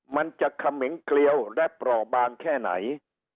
มันจะเขมงเกลียวและเปราะบางแค่ไหน